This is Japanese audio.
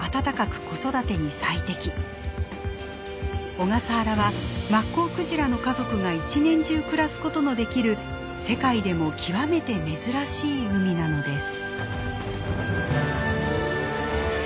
小笠原はマッコウクジラの家族が一年中暮らすことのできる世界でも極めて珍しい海なのです。